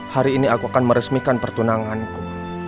hari ini aku akan meresmikan pertunanganku